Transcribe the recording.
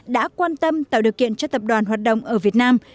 đã quan tâm tạo điều kiện cho tập đoàn hoạt động ở việt nam